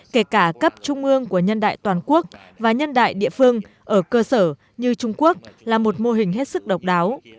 kể cả cấp trung ương của nhân đại toàn quốc và nhân đại địa phương ở cơ sở như trung quốc là một mô hình hết sức độc đáo